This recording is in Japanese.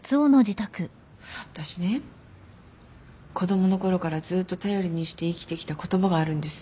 私ね子供のころからずっと頼りにして生きてきた言葉があるんです。